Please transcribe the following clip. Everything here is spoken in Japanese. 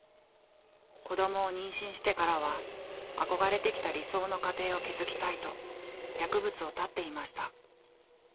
子どもを妊娠してからは憧れてきた理想の家庭を築きたいと薬物を絶っていました。